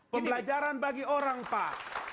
pembelajaran bagi orang pak